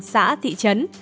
xã thị trấn